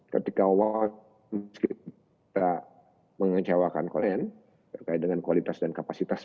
ketika mengecewakan kolen berkaitan dengan kualitas dan kapasitas